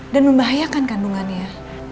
dan membahayakan kandungannya